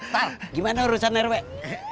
pak gimana urusan air wek